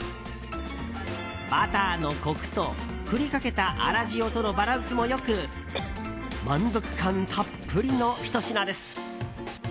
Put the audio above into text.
バターのコクと振りかけた粗塩とのバランスも良く満足感たっぷりのひと品です。